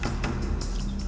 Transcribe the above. gue mau sewa penonton bayaran